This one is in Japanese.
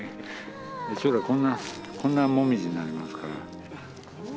将来こんなもみじになりますから。